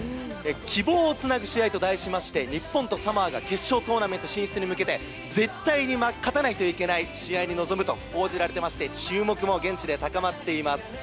希望をつなぐ試合と題しまして日本とサモアが決勝トーナメント進出に向けて絶対に勝たないといけない試合に臨むと報じられていて注目も現地で高まっています。